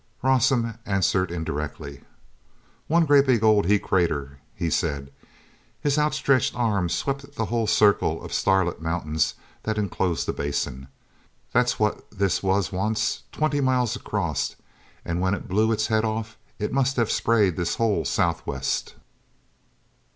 Rawson answered indirectly. "One great big old he crater!" he said. His outstretched arm swept the whole circle of starlit mountains that enclosed the Basin. "That's what this was once. Twenty miles across—and when it blew its head off it must have sprayed this whole Southwest.